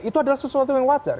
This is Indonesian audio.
itu adalah sesuatu yang wajar